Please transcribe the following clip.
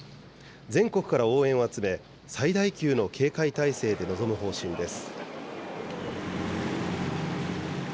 全国から応援を集め、最大級の警戒態勢で臨む方針です。